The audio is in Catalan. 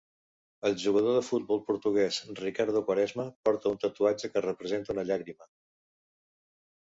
El jugador de futbol portuguès Ricardo Quaresma porta un tatuatge que representa una llàgrima.